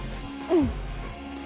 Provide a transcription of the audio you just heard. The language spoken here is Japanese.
うん！